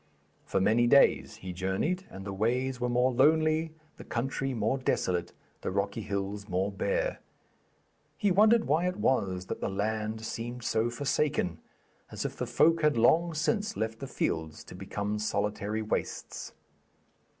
For many days he journeyed and the ways were more lonely, the country more desolate, the rocky hills more bare. He wondered why it was that the land seemed so forsaken, as if the folk had long since left the fields to become solitary wastes.